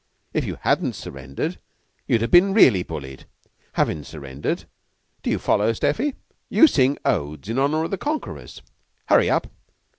If you hadn't surrendered you'd ha' been really bullied. Havin' surrendered do you follow, Seffy? you sing odes in honor of the conquerors. Hurry up!"